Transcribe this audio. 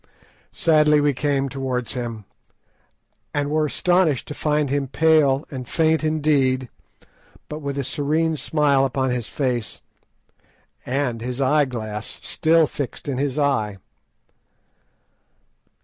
Sadly we came towards him, and were astonished to find him pale and faint indeed, but with a serene smile upon his face, and his eyeglass still fixed in his eye.